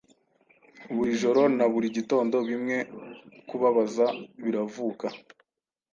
Buri joro na buri gitondo Bimwe Kubabaza Biravuka.